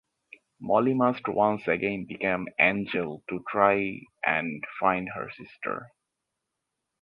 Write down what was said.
Molly must once again become Angel to try and find her sister.